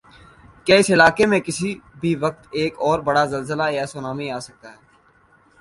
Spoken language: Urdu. کہ اس علاقی میں کسی بھی وقت ایک اوربڑا زلزلہ یاسونامی آسکتا ہی۔